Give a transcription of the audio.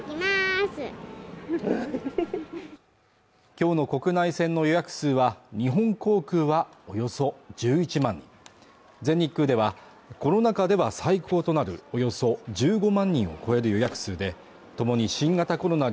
きょうの国内線の予約数は日本航空はおよそ１１万人全日空ではコロナ禍では最高となるおよそ１５万人を超える予約数で共に新型コロナ